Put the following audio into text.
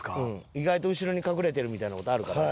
意外と後ろに隠れてるみたいな事あるから。